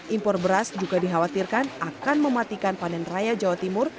impor beras juga dikhawatirkan akan mematikan panen raya jawa timur